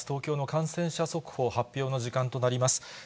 東京の感染者速報発表の時間となります。